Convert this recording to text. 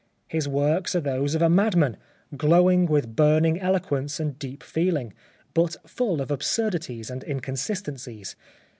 His works are those of a madman, glowing with burning eloquence and deep feeling, but full of absurdities and inconsistencies.